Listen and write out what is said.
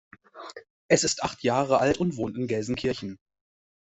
Es ist acht Jahre alt und wohnt in Gelsenkirchen.